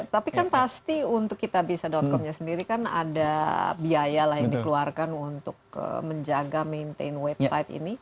tapi kan pasti untuk kitabisa comnya sendiri kan ada biaya lah yang dikeluarkan untuk menjaga maintain website ini